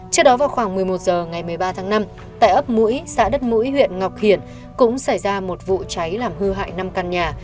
trước đó vào khoảng một mươi một h ngày một mươi ba tháng năm tại ấp mũi xã đất mũi huyện ngọc hiển cũng xảy ra một vụ cháy làm hư hại năm căn nhà